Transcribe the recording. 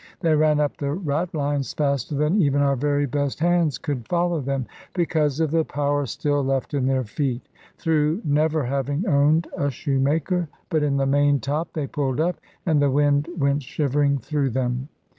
They ran up the ratlines faster than even our very best hands could follow them, because of the power still left in their feet, through never having owned a shoemaker; but in the main top they pulled up, and the wind went shivering through them.